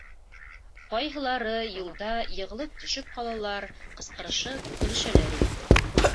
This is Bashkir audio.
Ҡайһылары юлда йығылып төшөп ҡалалар, ҡысҡырышып көлөшәләр ине.